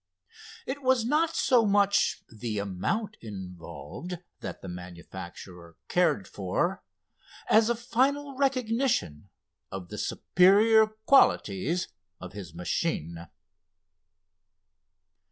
It was not so much the amount involved that the manufacturer cared for as a final recognition of the superior qualities of his machine.